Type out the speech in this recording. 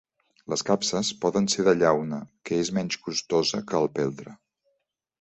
Les capses poden ser de llauna, que és menys costosa que el peltre.